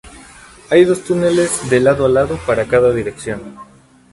Hay dos túneles de lado a lado para cada dirección.